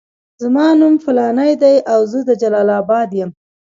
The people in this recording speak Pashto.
زما نوم فلانی دی او زه د جلال اباد یم.